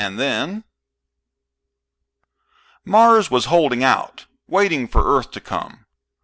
And then " Mars was holding out, waiting for Earth to come.